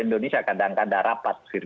indonesia kadang kadang rapat